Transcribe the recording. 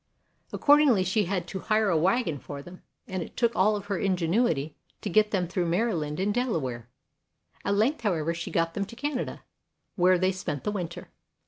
Accord ingly she had to hire a wagon for them, and it took all her ingenuity to get them through Maryland and Delaware. At length, how ever, she got them to Canada, where they spent the winter.